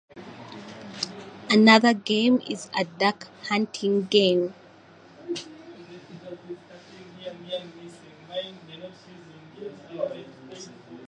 Another game is a duck hunting game.